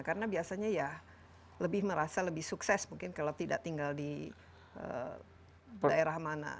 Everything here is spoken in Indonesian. karena biasanya ya lebih merasa lebih sukses mungkin kalau tidak tinggal di daerah mana